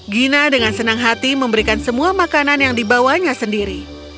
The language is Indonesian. gina dengan senang hati memberikan semua makanan yang dibawanya sendiri